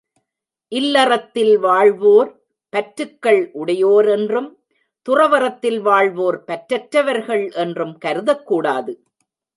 இல்லறத்தில் வாழ்வோர் பற்றுக்கள் உடையோர் என்றும், துறவறத்தில் வாழ்வோர் பற்றற்றவர்கள் என்றும் கருதக்கூடாது.